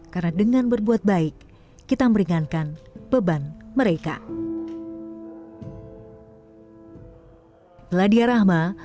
karena dengan berbuat baik kita meringankan beban mereka